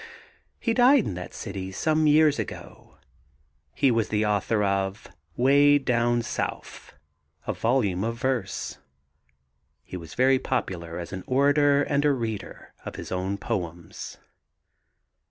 He died in that city some years ago. He was the author of 'Weh Down Souf, a volume of verse. He was very popular as an orator and a reader of his own poems.